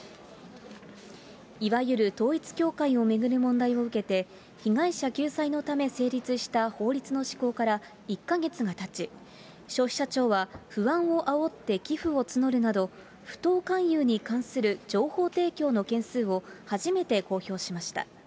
いわゆる統一教会を巡る問題を受けて、被害者救済のため、成立した法律の施行から１か月がたち、消費者庁は不安をあおって、寄付を募るなど、不当勧誘に関する情報提供の件数を初めて公表しました。